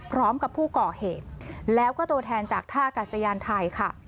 พร้อมกับผู้ก่อเหตุแล้วก็ตัวแทนจากท่ากาศยานไทยค่ะ